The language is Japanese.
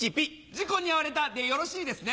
事故に遭われたでよろしいですね。